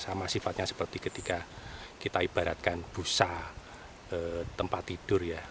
sama sifatnya seperti ketika kita ibaratkan busa tempat tidur ya